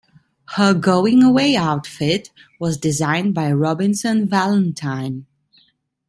Her going-away outfit was designed by Robinson Valentine.